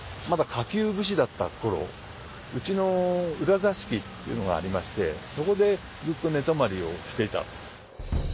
まだ下級武士だった頃うちの裏座敷っていうのがありましてそこでずっと寝泊まりをしていた。